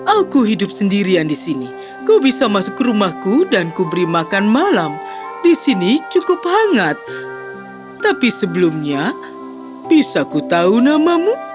aku hidup sendirian di sini kau bisa masuk ke rumahku dan kuberi makan malam di sini cukup hangat tapi sebelumnya bisa ku tahu namamu